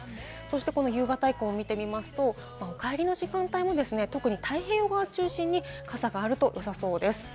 この夕方以降、見てみますと、お帰りの時間帯も特に太平洋側を中心に傘があると良さそうです。